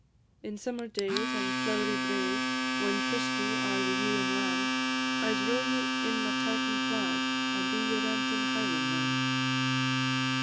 In summer days, on flow'ry braes, When frisky are the ewe and lamb, I 'se row ye in my tartan plaid, And be your rantin' Highlandman.